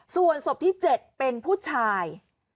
ส่วนศพที่๗เป็นผู้ชาย